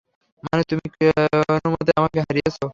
মানে, তুমি কোনমতে আমাকে হারিয়েছ।